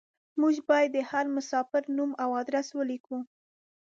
موږ بايد د هر مساپر نوم او ادرس وليکو.